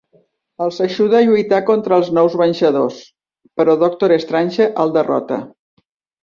Els ajuda a lluitar contra els Nous Venjadors, però Doctor Strange el derrota.